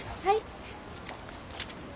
はい。